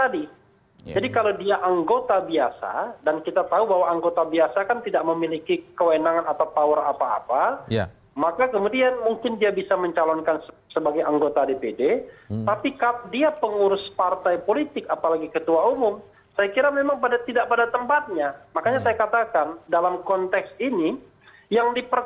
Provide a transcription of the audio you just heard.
dari sisi representasi mengimbangi